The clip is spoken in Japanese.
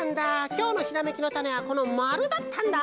きょうのひらめきのタネはこのまるだったんだ！